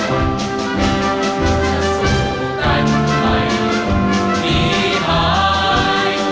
จะสู้กันใหม่มีหาย